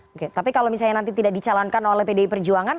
oke tapi kalau misalnya nanti tidak dicalonkan oleh pdi perjuangan